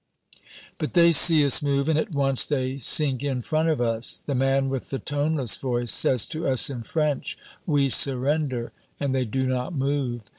But they see us move, and at once they sink in front of us. The man with the toneless voice says to us in French, "We surrender," and they do not move.